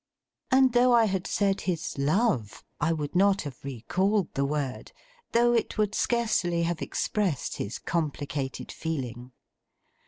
And though I had said his love, I would not have recalled the word, though it would scarcely have expressed his complicated feeling.